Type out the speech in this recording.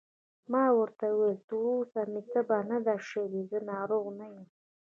ما ورته وویل: تر اوسه مې تبه نه ده شوې، زه ناروغ نه یم.